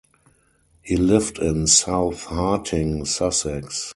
He lived in South Harting, Sussex.